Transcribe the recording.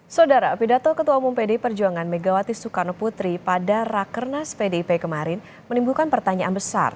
saudara pidato ketua umum pdi perjuangan megawati soekarno putri pada rakernas pdip kemarin menimbulkan pertanyaan besar